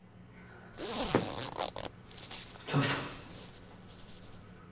お父さん。